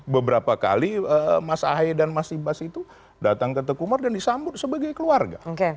beberapa kali mas ahaye dan mas ibas itu datang ke tekumar dan disambut sebagai keluarga